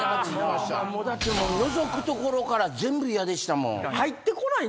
だってのぞくところから全部嫌でしたもん。